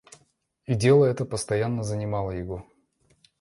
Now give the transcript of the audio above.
И дело это постоянно занимало его.